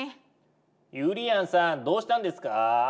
ゆりやんさんどうしたんですか？